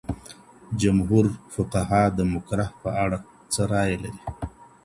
جمهور فقهاء د مُکرَه په اړه څه رايه لري؟